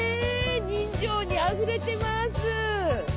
人情にあふれてます。